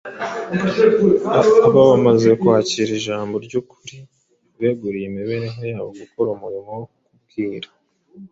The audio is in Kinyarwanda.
Aba bamaze kwakira ijambo ry’ukuri beguriye imibereho yabo gukora umurimo wo kubwira